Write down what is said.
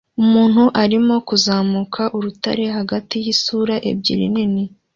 Umuntu arimo kuzamuka urutare hagati yisura ebyiri nini